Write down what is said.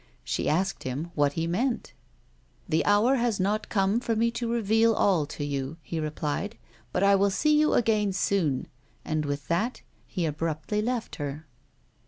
She asked him what he meant. " The hour has not come for me to reveal all to you," he replied ;" but I will see you again soon," and with that he abruptly left her.